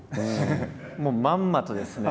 もうまんまとですね